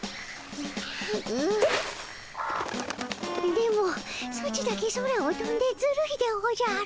電ボソチだけ空をとんでずるいでおじゃる。